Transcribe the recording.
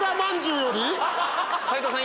斎藤さん